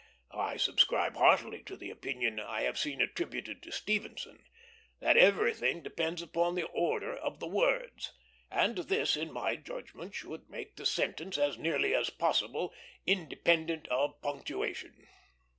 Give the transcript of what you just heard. I subscribe heartily to the opinion I have seen attributed to Stevenson, that everything depends upon the order of the words; and this, in my judgment, should make the sentence as nearly as possible independent of punctuation.